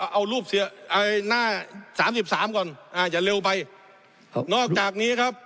เอารูปเสียหน้าสามสิบสามก่อนอ่าอย่าเร็วไปครับนอกจากนี้ครับ